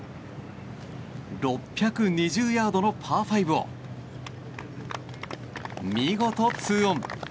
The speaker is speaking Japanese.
６２０ヤードのパー５を見事２オン。